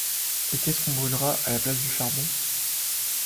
Et qu’est-ce qu’on brûlera à la place du charbon?